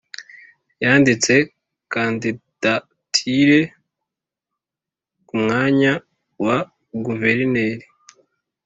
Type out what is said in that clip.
Yanditse Kandidatire ku mwanya wa guverineri